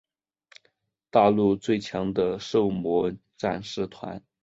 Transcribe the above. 大陆最强的狩魔战士团。